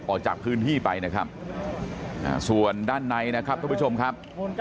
ออกจากพื้นที่ไปนะครับส่วนด้านในนะครับทุกผู้ชมครับ